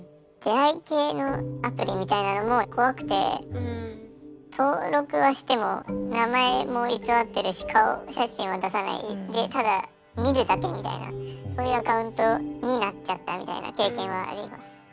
何て言うか登録はしても名前も偽ってるし顔写真は出さないでただ見るだけみたいなそういうアカウントになっちゃったみたいな経験はあります。